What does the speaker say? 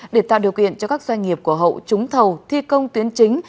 để tạo điều kiện cho các doanh nghiệp của hậu trúng thầu thi công tuyến chính